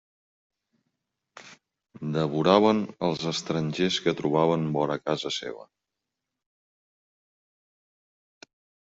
Devoraven els estrangers que trobaven vora casa seva.